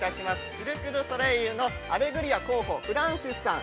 シルク・ドゥ・ソレイユ、アレグリア広報、フランシスさん。